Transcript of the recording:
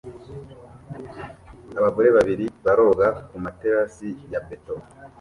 Abagore babiri baroga ku materasi ya beto